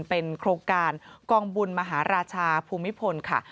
เป็นโครงการกองบุญมหาราชาภูมิพลค่ะ